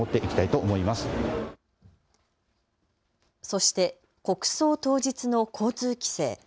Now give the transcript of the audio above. そして国葬当日の交通規制。